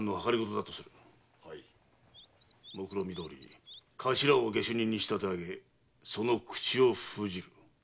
目論見どおり頭を下手人に仕立て上げその口を封じる。